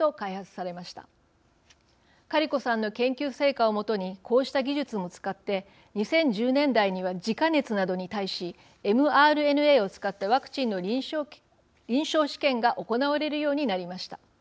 カリコさんの研究成果を基にこうした技術も使って２０１０年代にはジカ熱などに対しｍＲＮＡを使ったワクチンの臨床試験が行われるようになりました。